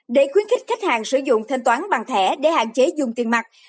để khuyến khích khách hàng sử dụng thanh toán bằng thẻ để hạn chế dùng tiền mặt